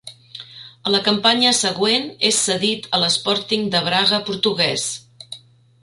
A la campanya següent és cedit a l'Sporting de Braga portuguès.